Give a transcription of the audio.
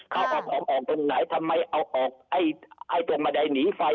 เขาเอาออกไปไหนทำไมเอาออกให้ตัวมาดัยหนีไฟ